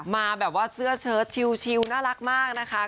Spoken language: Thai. มาแบบว่าเสื้อเชิดชิวน่ารักมากนะคะ